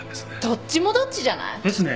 どっちもどっちじゃない？ですね。